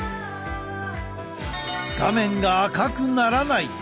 画面が赤くならない！